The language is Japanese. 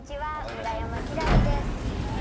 村山輝星です。